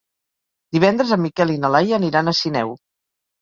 Divendres en Miquel i na Laia aniran a Sineu.